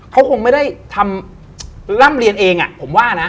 เขาคงไม่ได้ทำร่ำเรียนเองผมว่านะ